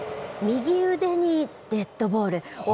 右腕にデッドボール。